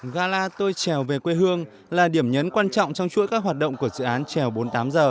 gala tôi trèo về quê hương là điểm nhấn quan trọng trong chuỗi các hoạt động của dự án treo bốn mươi tám h